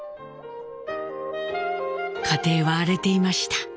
家庭は荒れていました。